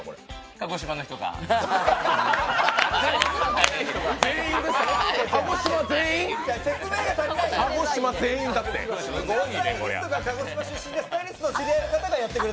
鹿児島の人が。